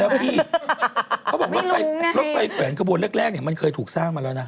ไม่ลอยใช่ไหมไม่ลุ้งนะพี่เขาบอกว่ารถไฟแขวนกระบวนแรกมันเคยถูกสร้างมาแล้วนะ